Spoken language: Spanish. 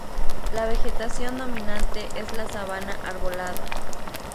La vegetación dominante es la sabana arbolada.